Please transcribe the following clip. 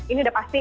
ini udah pasti